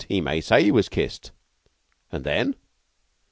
He may say he was kissed." "And then?"